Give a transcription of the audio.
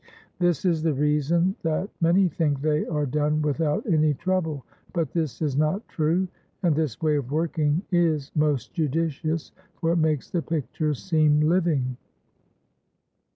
This is the reason that many think they are done without any trouble, but this is not true. And this way of working is most judicious, for it makes the pictures seem living.